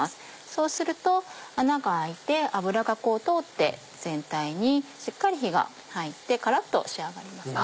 そうすると穴が開いて油がこう通って全体にしっかり火が入ってカラっと仕上がりますね。